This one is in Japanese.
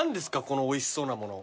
このおいしそうなもの。